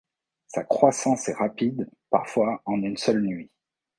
Sa croissance est rapide, parfois en une seule nuit.